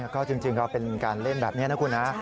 ก็จริงก็เป็นการเล่นแบบนี้นะคุณนะ